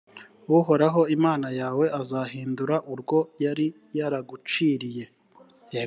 uhoraho imana yawe azahindura urwo yari yaraguciriye,